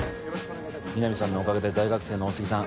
南さんのおかげで大学生の大杉さん